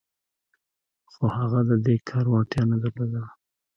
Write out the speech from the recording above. خو هغه د دې کار وړتیا نه درلوده